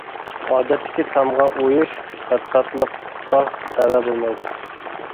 ئادەتتىكى تامغا ئويۇش خەتتاتلىققا تەۋە بولمايدۇ.